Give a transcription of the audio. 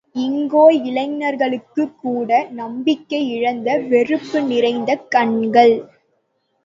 இங்கோ, இளைஞர்களுக்குக்கூட, நம்பிக்கை இழந்த, வெறுப்பு நிறைந்த கண்கள்.